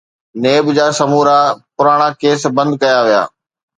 NAB جا سمورا پراڻا ڪيس بند ڪيا ويا.